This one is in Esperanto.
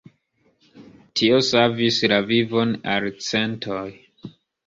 Tio savis la vivon al centoj.